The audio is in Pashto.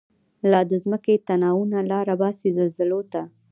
لا دځمکی تناوونه، لاره باسی زلزلوته